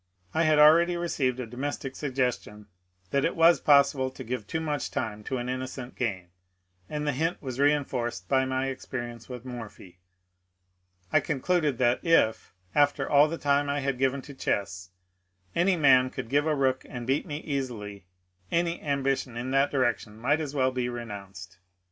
I had already received a domestic suggestion that it was possible to give too much time to an innocent game, and the hint was reinforoed by my experience with Morphy. I concluded that if, after all the time I had given to chess, any man could give a rook and beat me easily, any ambition in that direction might as well be renounced.